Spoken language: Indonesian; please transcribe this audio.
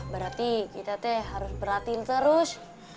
berarti kita harus berlatih terus